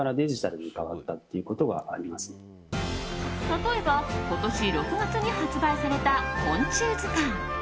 例えば今年６月に発売された昆虫図鑑。